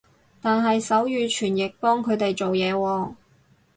但係手語傳譯幫佢哋做嘢喎